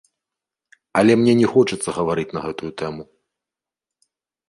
Але мне не хочацца гаварыць на гэтую тэму.